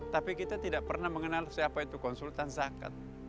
tapi kita tidak pernah mengenal siapa itu konsultan zakat